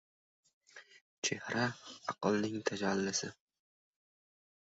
• Chehra ― aqlning tajallisi.